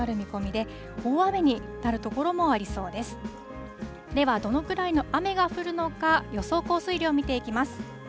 では、どのぐらいの雨が降るのか、予想降水量を見ていきます。